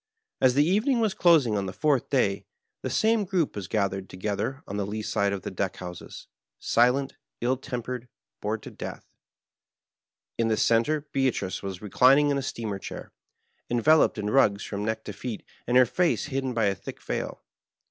As the evening was dosing on the fonrth day the same gronp was gathered together on the lee side of the deck honses, silent, ill tempered, bored to death. In the center Beatrice was reclining in a steamer chair, enveloped in rugs from neck to feet, and her face hidden by a thick veil.